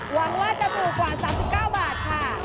หวังว่าจะถูกกว่า๓๙บาทค่ะ